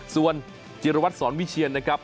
ส่วนจิรวัตรสอนวิเชียนนะครับ